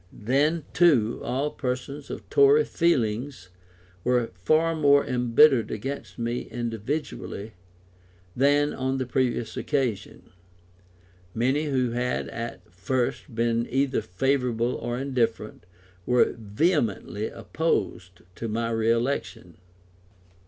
Then, too, all persons of Tory feelings were far more embittered against me individually than on the previous occasion; many who had at first been either favourable or indifferent, were vehemently opposed to my re election.